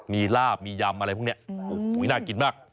มีลาบมียำอะไรพวกนี้โอ้โหน่ากินมาก